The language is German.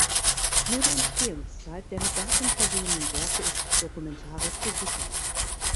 Nur die Entstehungszeit der mit Datum versehenen Werke ist dokumentarisch gesichert.